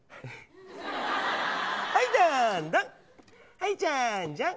はい、じゃんじゃん。